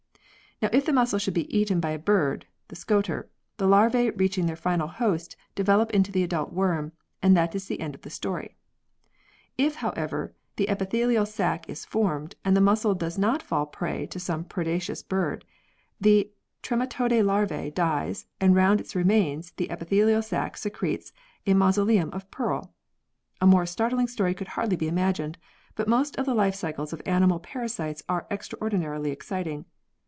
Now, if the mussel should be eaten by a bird the Scoter the larvae reaching their final host develop into the adult worm, and that is the end of the story. If, however, the epithelial sac is formed and the mussel does not fall a prey to some predaceous bird, the trematode larva dies and round its remains the epithelial sac secretes a mausoleum of pearl. A more startling story could hardly be imagined, but most of the life cycles of animal parasites are extra ordinarily exciting.